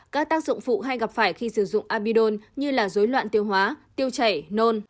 các tác dụng phụ hay gặp phải khi sử dụng abidon như là dối loạn tiêu hóa tiêu chảy nôn